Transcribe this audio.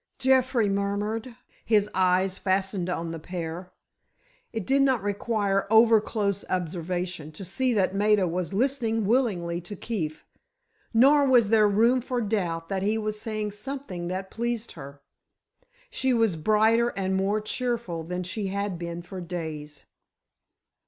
Jeffrey murmured, his eyes fastened on the pair. It did not require over close observation to see that Maida was listening willingly to Keefe. Nor was there room for doubt that he was saying something that pleased her. She was brighter and more cheerful than she had been for days.